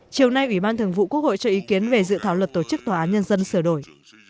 chiều nay ủy ban thường vụ quốc hội cho ý kiến về dự thảo luật tổ chức tòa án nhân dân sửa đổi